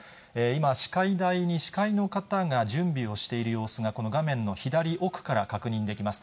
今、司会台に司会の方が準備をしている様子が、この画面の左奥から確認できます。